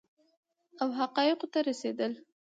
او حقایقو ته رسیدل